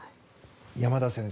山田先生。